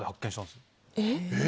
えっ。